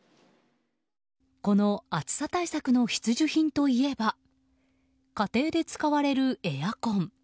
この暑さ対策の必需品といえば家庭で使われるエアコン。